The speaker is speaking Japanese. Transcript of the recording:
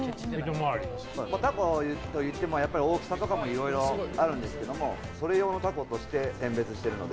タコといっても大きさもいろいろあるんですけどそれ用のタコとして選別してるので。